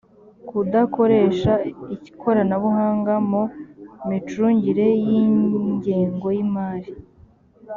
kudakoresha ikoranabuhanga mu micungire y ingengo y imari